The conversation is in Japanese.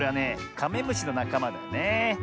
カメムシのなかまだね。